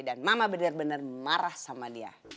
dan mama benar benar marah sama dia